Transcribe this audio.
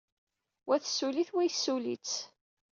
Wa tessuli-t, wa yessuli-tt.